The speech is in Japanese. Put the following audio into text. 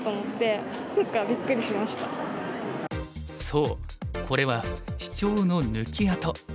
そうこれはシチョウの抜き跡。